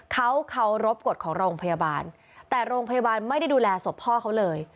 เขาเคารพกฎของโรงพยาบาลแต่โรงพยาบาลไม่ได้ดูแลศพพ่อเขาเลย